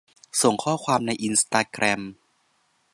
ส่งข้อความในอินสตาแกรม